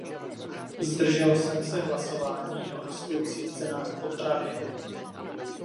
Zdržel jsem se hlasování o rostoucích cenách potravin.